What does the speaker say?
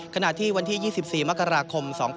ขณะที่วันที่๒๔มค๒๕๕๙